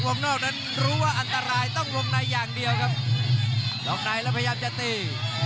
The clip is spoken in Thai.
วงนอกนั้นรู้ว่าอันตรายต้องวงในอย่างเดียวครับล็อกในแล้วพยายามจะตี